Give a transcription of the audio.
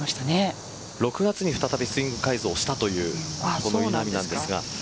６月に再びスイング改造をしたという稲見ですが。